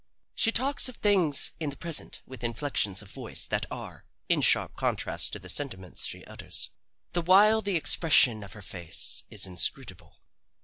She talks of things in the present with inflections of voice that are in sharp contrast to the sentiments she utters. The while the expression of her face is inscrutable.